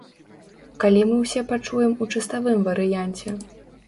Калі мы ўсе пачуем у чыставым варыянце?